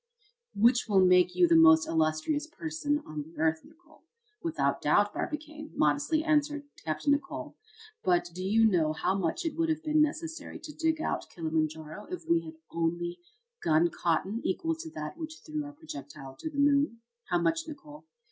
"Which will make you the most illustrious person on the earth, Nicholl." "Without doubt, Barbicane," modestly answered Capt. Nicholl. "But do you know how much it would have been necessary to dig out Kilimanjaro if we only had gun cotton equal to that which threw our projectile to the moon?" "How much, Nicholl?"